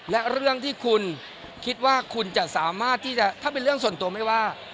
และเรื่องที่คุณคิดว่าคุณจะสามารถที่จะถ้าเป็นเรื่องส่วนตัวไม่ว่า